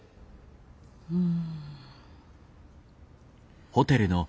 うん。